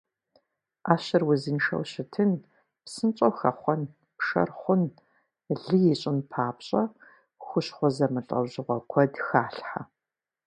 Ӏэщыр узыншэу щытын, псынщӀэу хэхъуэн, пшэр хъун, лы ищӀын папщӀэ, хущхъуэ зэмылӀэужьыгъуэ куэд халъхьэ.